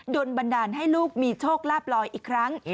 โดนบันดาลให้ลูกมีโชคลาบลอยอีกครั้ง